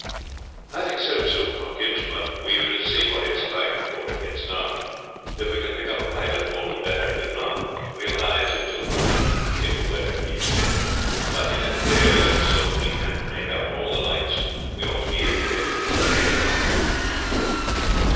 "I think so, too, Watkins, but we will see what it is like before it gets dark; if we can pick up a pilot all the better; if not, we will lie to till morning, if the weather keeps thick; but if it clears so that we can make out all the lights we ought to be able to get into the bay anyhow."